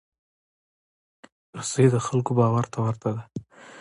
رسۍ د خلکو باور ته ورته ده.